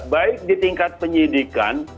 baik di tingkat penyidikan